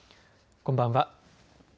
こんばんは。